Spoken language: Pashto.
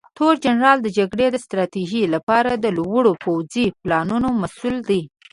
تورنجنرال د جګړې ستراتیژۍ لپاره د لوړو پوځي پلانونو مسوول دی.